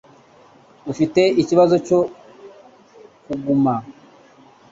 Ufite ikibazo cyo kuguma?